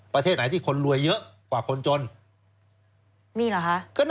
ประเทศไหนที่คนรวยเยอะกว่าคนจนมีเหรอคะ